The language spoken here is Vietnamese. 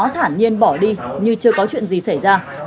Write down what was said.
thả nhiên bỏ đi như chưa có chuyện gì xảy ra